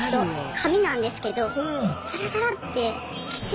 髪なんですけどサラサラって！